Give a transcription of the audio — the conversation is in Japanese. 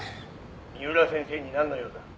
「三浦先生になんの用だ？」